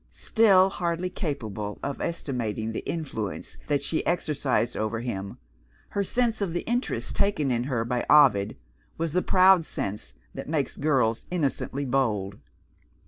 Still hardly capable of estimating the influence that she exercised over him, her sense of the interest taken in her by Ovid was the proud sense that makes girls innocently bold.